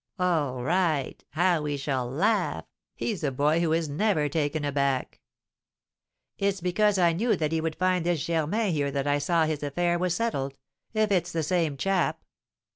"All right; how we shall laugh! He's a boy who is never taken aback!" "It's because I knew that he would find this Germain here that I said his affair was settled, if it's the same chap."